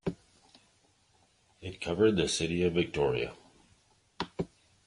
It covered the City of Victoria.